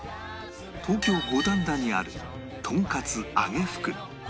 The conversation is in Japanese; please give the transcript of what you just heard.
東京五反田にあるとんかつあげ福